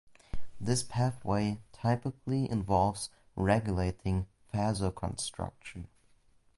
This pathway typically involves regulating vasoconstriction.